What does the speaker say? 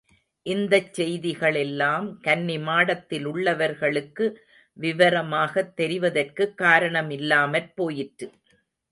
இந்தச் செய்திகளெல்லாம் கன்னிமாடத்திலுள்ளவர்களுக்கு விவரமாகத் தெரிவதற்குக் காரணமில்லாமற் போயிற்று.